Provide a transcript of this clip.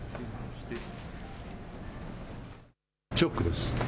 ショックです。